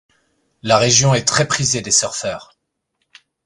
La région est très prisée des surfeurs.